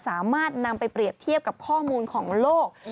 สามารถนำไปเปรียบเทียบกับข้อมูลของโลก